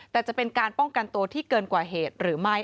แต่จะเป็นการป้องกันตัวที่เกินกว่าเหตุหรือไม่